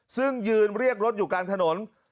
ซึ่งยืนเรียกรถอยู่กลางถนน